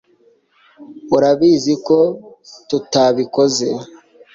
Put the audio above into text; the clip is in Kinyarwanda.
Urabizi ko tutabikoze